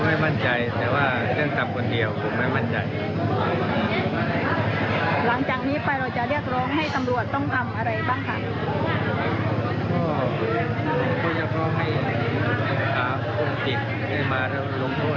พี่ชายบอกไม่เชื่อนะครัวว่าผู้ต้องสงสัยที่ทะเล